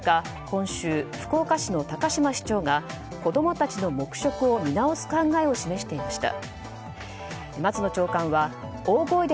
今週、福岡市の高島市長が子供たちの黙食を見直す考えを示していました。